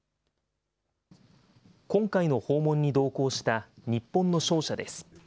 今回の訪問に同行した日本の商社です。